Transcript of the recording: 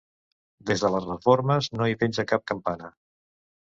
Des de les reformes no hi penja cap campana.